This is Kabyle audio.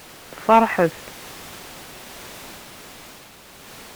Feṛḥet!